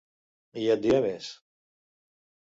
I et diré més.